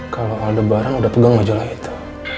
kalau ada barang udah pegang aja lah itu